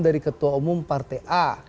dari ketua umum partai a